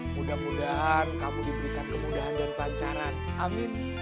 mudah mudahan kamu diberikan kemudahan dan kelancaran amin